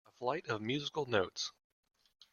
A flight of musical notes.